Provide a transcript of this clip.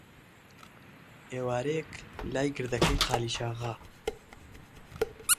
ئێوارەیەک، لای گردەکەی قالیچاغا،